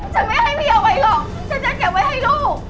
ฉันไม่ให้เมียเอาไว้หรอกฉันจะเก็บไว้ให้ลูก